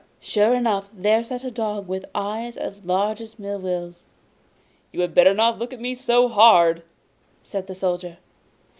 Sure enough there sat the dog with eyes as large as mill wheels. 'You had better not look at me so hard!' said the Soldier.